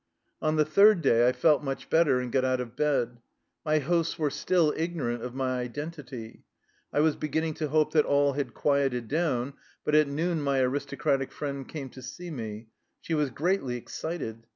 On the third day I felt much better, and got out of bed. My hosts were still ignorant of my identity. I was beginning to hope that all had quieted down. But at noon my aristocratic friend came to see me. She was greatly excited.